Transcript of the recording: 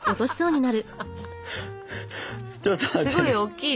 すごいおっきい。